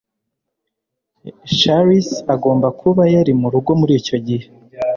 charles agomba kuba yari murugo muricyo gihe.